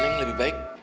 neng lebih baik